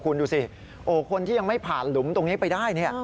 คุณดูสิโอ้คนที่ยังไม่ผ่านหลุมตรงนี้ไปได้เนี่ย